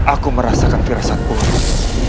aku merasakan erosan buruk